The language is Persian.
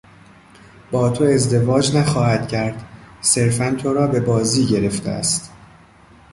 با تو ازدواج نخواهد کرد، صرفا تو را به بازی گرفته است.